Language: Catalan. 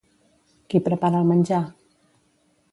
Qui prepara el menjar?